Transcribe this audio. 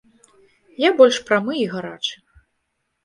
Я больш прамы і гарачы.